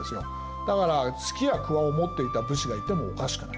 だからすきやくわを持っていた武士がいてもおかしくない。